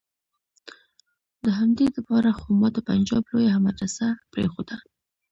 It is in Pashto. د همدې د پاره خو ما د پنجاب لويه مدرسه پرېخوده.